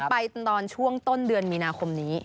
ไปตอนช่วงต้นเดือนมีนาคมนี้